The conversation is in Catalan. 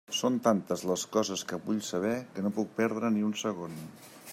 Són tantes les coses que vull saber que no puc perdre ni un segon.